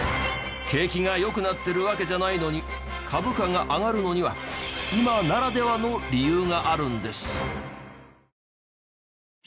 景気が良くなってるわけじゃないのに株価が上がるのには今ならではの理由があるんです。